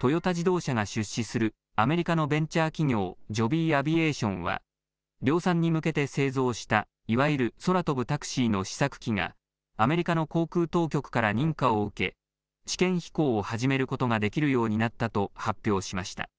トヨタ自動車が出資するアメリカのベンチャー企業、ジョビー・アビエーションは量産に向けて製造したいわゆる空飛ぶタクシーの試作機がアメリカの航空当局から認可を受け試験飛行を始めることができるようになったと発表しました。